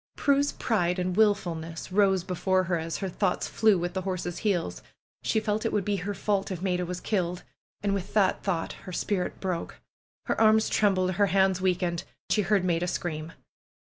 Prue's pride and wilfulness rose before her as her thoughts flew with the horse's heels. She felt it would be her fault if Maida was killed. And with that thought her spirit broke. Her arms trembled; her hands weakened. She heard Maida scream.